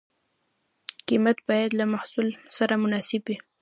قیمت باید له محصول سره مناسب وي.